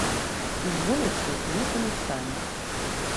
З вуліцы ехалі сані.